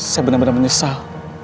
saya benar benar menyesal